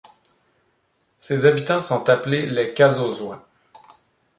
Ses habitants sont appelés les Cazausois.